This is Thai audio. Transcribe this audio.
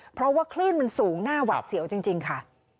เพราะว่าคลื่นมันสูงหน้าหวัดเสียวจริงค่ะ